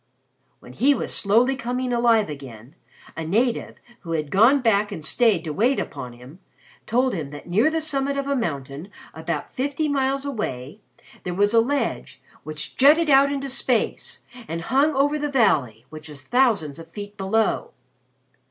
"When he was slowly coming alive again, a native, who had gone back and stayed to wait upon him, told him that near the summit of a mountain, about fifty miles away, there was a ledge which jutted out into space and hung over the valley, which was thousands of feet below.